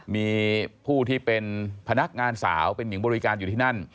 มีผู้ที่เป็นพนักงานสาวเป็นหญิงบริการอยู่ที่นั่น